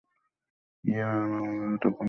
ইমার বাবা-মা তখনো কিছু জানেন না।